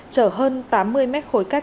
chở hơn tám mươi m khối cát